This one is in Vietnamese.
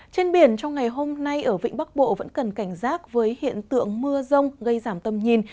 trên biển trong ngày hôm nay ở vịnh bắc bộ vẫn cần cảnh giác với hiện tượng mưa rông gây giảm tầm nhìn